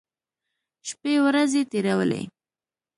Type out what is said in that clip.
شپې ورځې تېرولې.